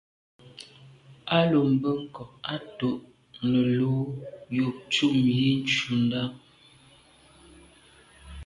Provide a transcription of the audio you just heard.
À lo mbe nkôg à to’ nelo’ yub ntum yi ntshundà.